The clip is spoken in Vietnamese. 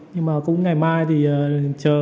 nhưng mà cũng ngày mai thì chờ